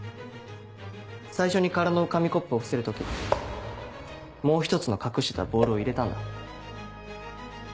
最初に空の紙コップを伏せる時もう１つの隠してたボールを入れたんだ。